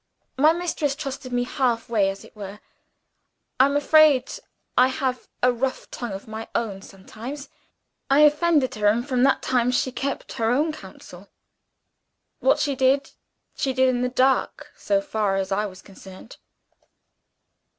My mistress trusted me half way, as it were. I'm afraid I have a rough tongue of my own sometimes. I offended her and from that time she kept her own counsel. What she did, she did in the dark, so far as I was concerned."